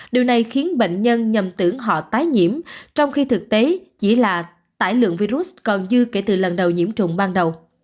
điều này khiến bệnh nhân nhầm tưởng họ tái nhiễm trong khi thực tế chỉ là tải lượng virus còn dư kể từ lần đầu nhiễm trùng ban đầu